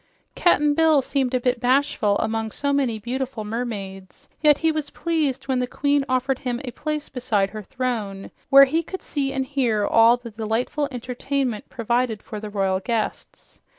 Cap'n Bill seemed a bit bashful among so many beautiful mermaids, yet he was pleased when the queen offered him a place beside her throne, where he could see and hear all the delightful entertainment provided for the royal guests.